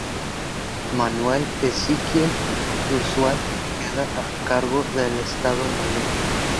Manuel Ezequiel Bruzual queda a cargo del Estado Mayor.